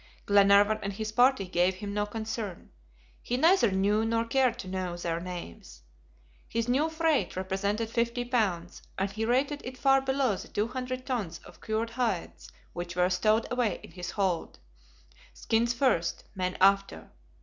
Glenarvan and his party gave him no concern. He neither knew, nor cared to know, their names. His new freight represented fifty pounds, and he rated it far below the two hundred tons of cured hides which were stowed away in his hold. Skins first, men after.